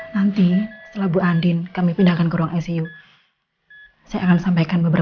dan sepertinya masih memerlukan beberapa kali pemikiran oleh dokter